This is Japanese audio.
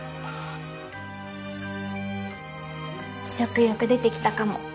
食欲出てきたかも。